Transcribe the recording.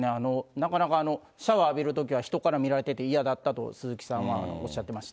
なかなか、シャワー浴びるときは、人から見られて嫌だったと、鈴木さんはおっしゃってました。